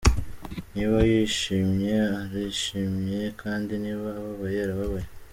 Niba yishimye arishimye kandi niba ababaye arababaye.